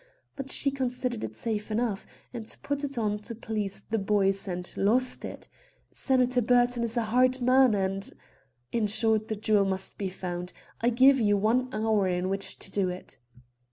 But she considered it safe enough, and put it on to please the boys, and lost it. Senator Burton is a hard man and, in short, the jewel must be found. I give you just one hour in which to do it."